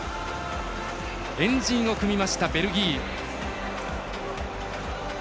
円陣を組みました、ベルギー。